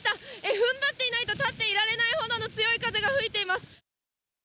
ふんばっていないと立っていられないほどの強い風が吹いています。